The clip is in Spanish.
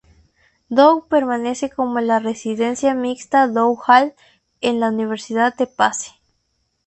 Dow, permanece como la residencia mixta Dow Hall en la universidad de Pace.